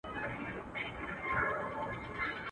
وږي نس ته یې لا ښکار نه وو میندلی.